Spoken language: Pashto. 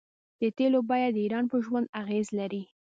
د تیلو بیه د ایران په ژوند اغیز لري.